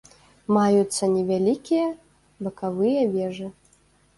Маюцца невялікія бакавыя вежы.